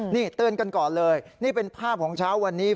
นี่เตือนกันก่อนเลยนี่เป็นภาพของเช้าวันนี้